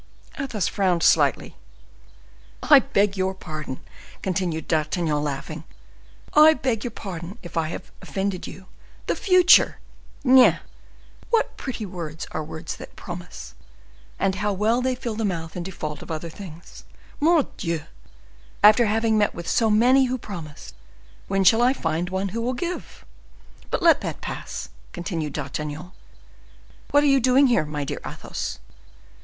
Athos frowned slightly. "I beg your pardon," continued D'Artagnan, laughing, "I beg your pardon if I have offended you. The future! Nein! what pretty words are words that promise, and how well they fill the mouth in default of other things! Mordioux! After having met with so many who promised, when shall I find one who will give? But, let that pass!" continued D'Artagnan. "What are you doing here, my dear Athos?